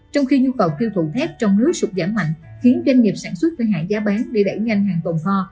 trong khi nhu cầu khiêu thụ thép trong nước sụt giảm mạnh khiến doanh nghiệp sản xuất với hạng giá bán bị đẩy nhanh hàng tồn kho